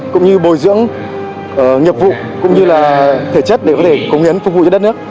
cũng như bồi dưỡng nghiệp vụ cũng như là thể chất để có thể cống hiến phục vụ cho đất nước